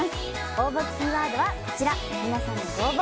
応募キーワードはこちら皆様のご応募